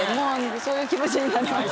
そういう気持ちになりました